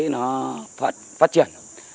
nó phát triển